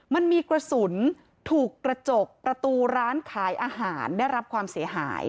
มันมีกระสุนถูกกระจกประตูร้านขายอาหารได้รับความเสียหาย